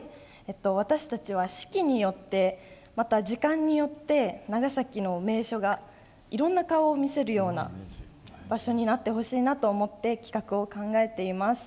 私たちは四季によってまた時間によって長崎の名所がいろんな顔を見せるような場所になってほしいなと思って企画を考えています。